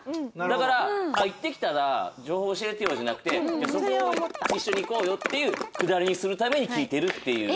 だから「行ってきたら情報教えてよ」じゃなくてそこを「一緒に行こうよ」っていうくだりにするために聞いてるっていう。